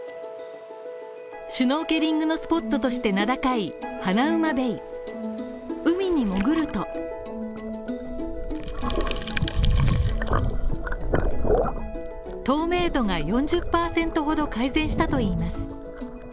シュノーケリングのスポットとして名高いハナウマベイ、海に潜ると透明度が４０％ほど改善したといいます。